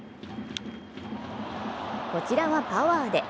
こちらはパワーで。